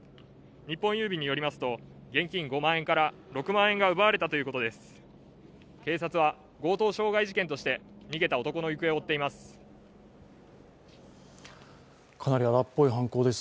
日本郵便によりますと現金５万円から６万円が奪われたということです